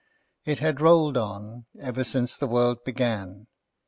It had rolled on, ever since the world began.